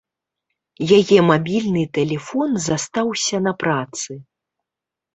Яе мабільны тэлефон застаўся на працы.